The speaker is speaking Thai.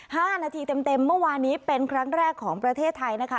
ห้านาทีเต็มเต็มเมื่อวานนี้เป็นครั้งแรกของประเทศไทยนะคะ